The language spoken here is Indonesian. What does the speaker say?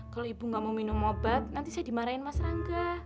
kalau ibu nggak mau minum obat nanti saya dimarahin mas rangga